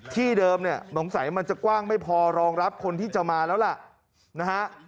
เดิมเนี่ยสงสัยมันจะกว้างไม่พอรองรับคนที่จะมาแล้วล่ะนะฮะ